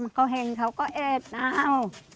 เขาเห็นเขาก็เอ็ดอ้าว